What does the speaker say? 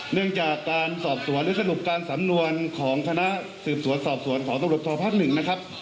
เรื่องจากการสอบสวนหรือสรุปการสำนวนของคณะสืบสวนสอบสวนของตำรวจโทษภักดิ์๑นะครับ